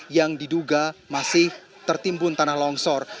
yang diduga masih tertimbun tanah longsor